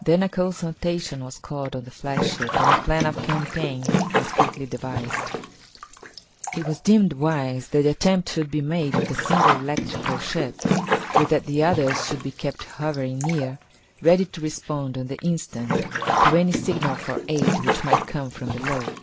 Then a consultation was called on the flagship and a plan of campaign was quickly devised. It was deemed wise that the attempt should be made with a single electrical ship, but that the others should be kept hovering near, ready to respond on the instant to any signal for aid which might come from below.